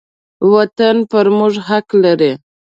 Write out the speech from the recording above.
وطن پر موږ حق لري.